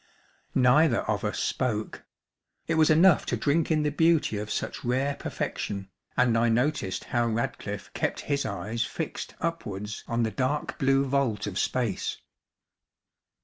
Neither of us spoke; it was enough to drink in the beauty of such rare perfection, and I noticed how Radcliffe kept his eyes fixed upwards on the dark blue vault of space.